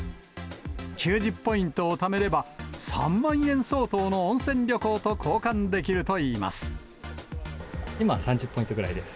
９０ポイントをためれば３万円相当の温泉旅行と交換できるといい今、３０ポイントぐらいです。